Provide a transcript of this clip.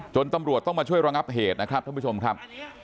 ตำรวจต้องมาช่วยระงับเหตุนะครับท่านผู้ชมครับ